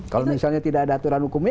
kalau misalnya tidak ada aturan hukumnya